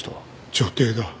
女帝だ。